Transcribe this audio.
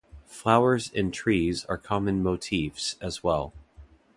Flowers and trees are common motifs as well.